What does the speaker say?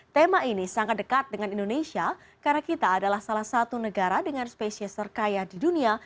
tema ini sangat dekat dengan indonesia karena kita adalah salah satu negara dengan spesies terkaya di dunia